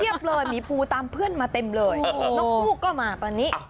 เลยหมีภูตามเพื่อนมาเต็มเลยนกผู้ก็มาตอนนี้